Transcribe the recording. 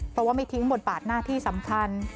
เพราะว่าไม่ทิ้งบทบาทหน้าที่สำคัญ